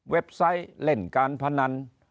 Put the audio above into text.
เว็บไซต์เล่นการพนัน